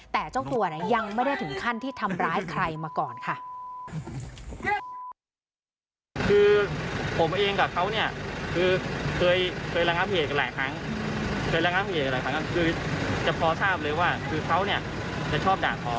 แต่เจ้าตัวยังไม่ได้ถึงขั้นที่ทำร้ายใครมาก่อนค่ะ